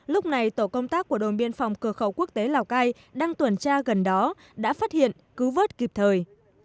lúc này tổ công tác của đồn biên phòng cửa khẩu quốc tế lào cai đang tuần tra gần đó đã phát hiện cứu vớt kịp thời